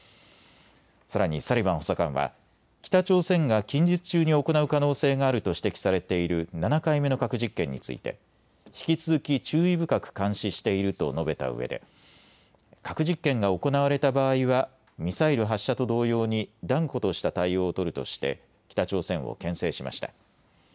さらにサリバン補佐官は北朝鮮が近日中に行う可能性があると指摘されている７回目の核実験について引き続き注意深く監視していると述べたうえで核実験が行われた場合はミサイル発射と同様に断固とした対応を取るとして北朝鮮をけん制しました。